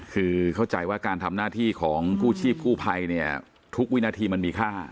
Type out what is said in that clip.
คือเข้าใจว่าการทำหน้าที่ของกู้ชีพกู้ภัยเนี่ยทุกวินาทีมันมีค่า